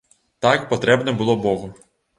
Так патрэбна было богу.